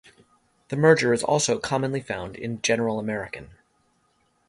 The merger is also commonly found in General American.